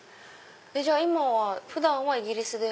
じゃ今は普段はイギリスで？